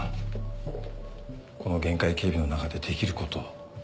この厳戒警備の中でできること。